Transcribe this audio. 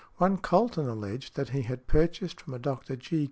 One Colton alleged that he had purchased from a Dr. G.